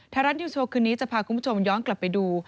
ไทยรัฐนิวโชว์คืนนี้จะพาคุณผู้ชมย้อนกลับไปดู